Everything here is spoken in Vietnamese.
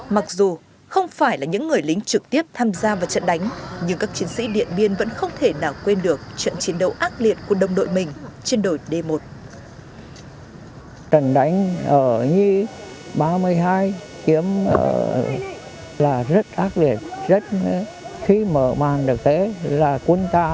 mặc dù không phải là những người lính trực tiếp tham gia vào trận đánh nhưng các chiến sĩ điện biên vẫn không thể nào quên được